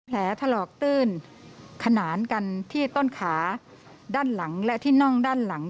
แผลถลอกตื้นขนานกันที่ต้นขาด้านหลังและที่น่องด้านหลัง